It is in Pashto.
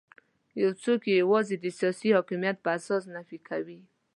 یو څوک یې یوازې د سیاسي حاکمیت په اساس نفي کوي.